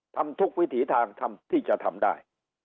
ทำทุกวิถีทางทำที่จะทำได้